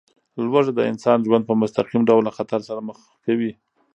لوږه د انسان ژوند په مستقیم ډول له خطر سره مخ کوي.